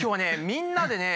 みんなでね